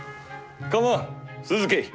構わん続けい。